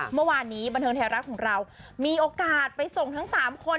เมื่อวานนี้บันเทิงไทยรัฐของเรามีโอกาสไปส่งทั้ง๓คน